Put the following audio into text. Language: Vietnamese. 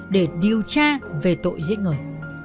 để điều tra về tội giết người